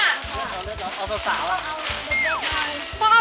เอาเด็กเอาสาว